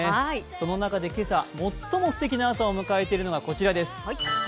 その中で今朝最もすてきな朝を迎えているのが、こちらです。